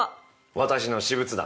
私の私物だ。